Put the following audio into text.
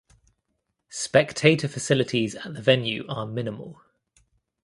Spectator facilities at the venue are minimal.